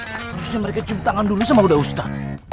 harusnya mereka cuci tangan dulu sama uda ustah